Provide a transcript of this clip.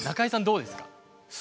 どうですか？